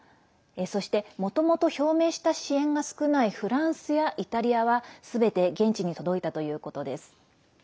そしてもともと表明した支援が少ないフランスやイタリアはすべて現地に届いたということです。